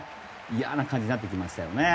嫌な感じになってきましたよね。